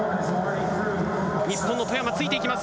日本の外山、ついていきます。